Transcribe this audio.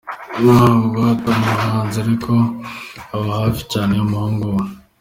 Nubwo atari umuhanzi ariko aba hafi cyane y’umuhungu we.